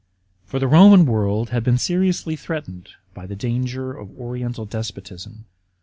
For the Roman world had been seriously threatened by the danger of an Oriental despotism.